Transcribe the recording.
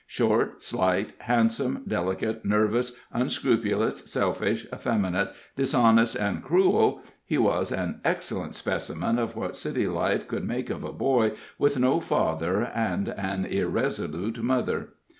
Short, slight, handsome, delicate, nervous, unscrupulous, selfish, effeminate, dishonest, and cruel, he was an excellent specimen of what city life could make of a boy with no father and an irresolute mother.